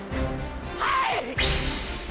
はい！！